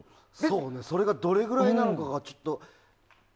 それがどれぐらいなのかがちょっと。